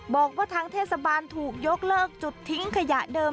บอกว่าทางเทศบาลถูกยกเลิกจุดทิ้งขยะเดิม